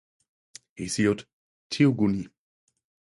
Hesiod: "Theogonie".